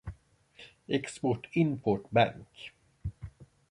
Export Import Bank.